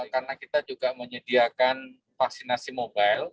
karena kita juga menyediakan vaksinasi mobile